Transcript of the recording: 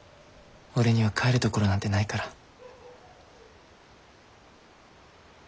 俺には帰るところなんてないから。